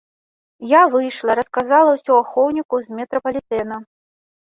Я выйшла, расказала ўсё ахоўніку з метрапалітэна.